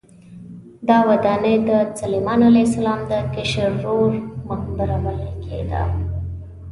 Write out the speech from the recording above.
دا ودانۍ د سلیمان علیه السلام د کشر ورور مقبره بلل کېده.